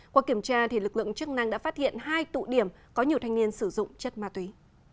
qua kiểm tra lực lượng chức năng đã phát hiện hai tụ điểm có nhiều thanh niên sử dụng chất ma túy